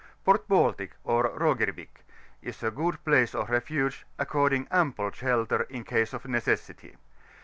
PO&T BAXiTICy ox &0OERWICX, is a good place of refuge, affording ample shelter in case of necessity.